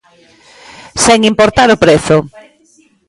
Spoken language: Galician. Sen importar o prezo.